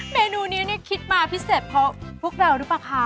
เมนูนี้นี่คิดมาพิเศษเพราะพวกเรารู้ป่ะคะ